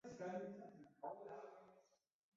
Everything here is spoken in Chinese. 胼足蝠属等之数种哺乳动物。